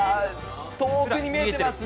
遠くに見えてますね。